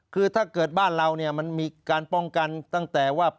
คือถ้าเกิดบ้านเราเนี่ยมันมีการป้องกันตั้งแต่ว่า